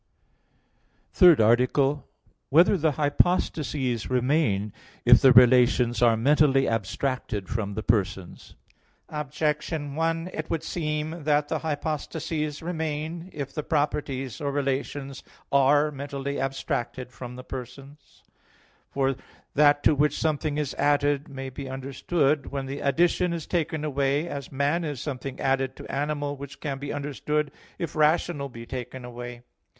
_______________________ THIRD ARTICLE [I, Q. 40, Art. 3] Whether the Hypostases Remain If the Relations Are Mentally Abstracted from the Persons? Objection 1: It would seem that the hypostases remain if the properties or relations are mentally abstracted from the persons. For that to which something is added, may be understood when the addition is taken away; as man is something added to animal which can be understood if rational be taken away.